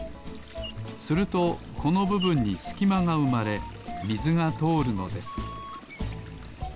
するとこのぶぶんにすきまがうまれみずがとおるのです